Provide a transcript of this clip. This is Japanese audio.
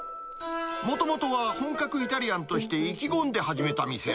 もともとは本格イタリアンとして意気込んで始めた店。